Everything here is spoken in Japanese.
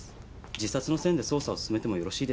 自殺の線で捜査を進めてもよろしいでしょうか？